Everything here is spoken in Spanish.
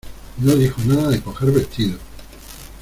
no dijo nada de coger vestidos